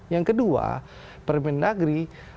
yang kedua permendagri